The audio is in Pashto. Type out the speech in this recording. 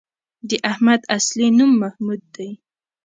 د احمد اصلی نوم محمود دی